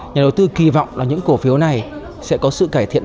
nhà đầu tư kỳ vọng là những cổ phiếu này sẽ có sự cải thiện